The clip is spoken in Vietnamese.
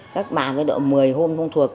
các bà mới đọa một mươi hôm không thuộc